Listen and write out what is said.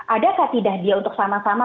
adakah tidak dia untuk sama sama